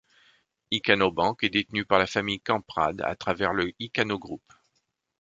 Ikano Bank est détenue par la famille Kamprad à travers le Ikano Group.